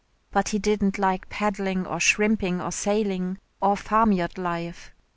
But he didn't like paddling or shrimping or sailing or farmyard life.